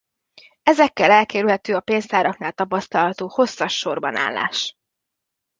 Ezekkel elkerülhető a pénztáraknál tapasztalható hosszas sorban állás.